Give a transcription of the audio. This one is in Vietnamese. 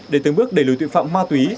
để từng bước đẩy lùi tội phạm ma túy